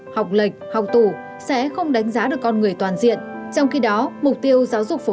học lệch học tủ sẽ không đánh giá được con người toàn diện trong khi đó mục tiêu giáo dục phổ